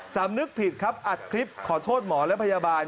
สำนึกผิดครับอัดคลิปขอโทษหมอและพยาบาล